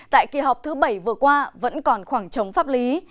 tại kỳ họp thứ bảy vừa qua vẫn còn khoảng trống pháp lý